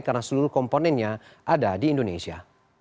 karena seluruh komponennya ada di indonesia